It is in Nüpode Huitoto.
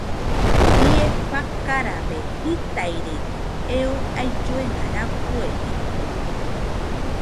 Bie fakarabe jitairede eo ailluena rafue ite.